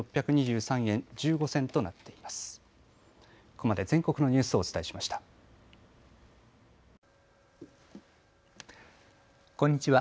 こんにちは。